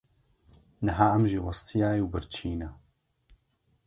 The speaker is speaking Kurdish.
Niha em jî westiyayî û birçî ne.